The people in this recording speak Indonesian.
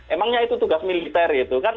emangnya itu tugas militer itu kan